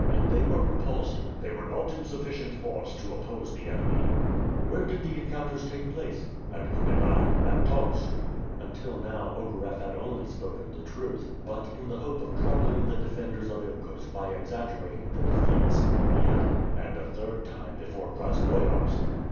"And they were repulsed?" "They were not in sufficient force to oppose the enemy." "Where did the encounters take place?" "At Kolyvan, at Tomsk." Until now, Ogareff had only spoken the truth, but, in the hope of troubling the defenders of Irkutsk by exaggerating the defeats, he added, "And a third time before Krasnoiarsk."